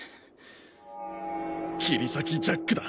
切り裂きジャックだ。